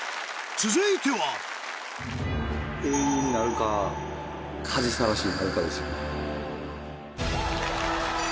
続いては英雄になるか恥さらしになるかですよね。